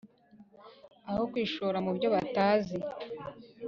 Aho kwishora mu byo batazi,